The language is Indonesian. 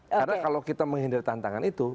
karena kalau kita menghindari tantangan itu